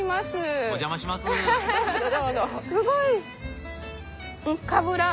すごい！